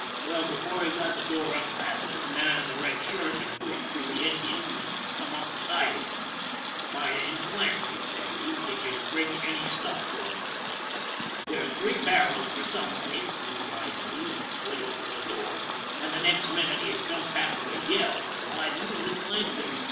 Well, before he got the door unfastened, the man in the red shirt had pushed through the Indians and come up beside him. " Me name's Clancy," said he. " Did yez bring up any stuff for me?" " There's three barrels for somebody," replied Lee, and slid open the door and the next minute he had jumped back with a yell, colliding with Clancy.